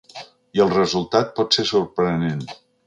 I el resultat pot ser sorprenent.